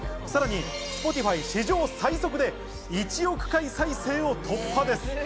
さらにＳｐｏｔｉｆｙ史上最速で１億回再生を突破です。